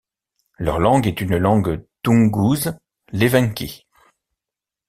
Leur langue est une langue toungouse, l'evenki.